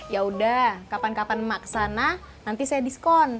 yaudah kapan kapan mak kesana nanti saya diskon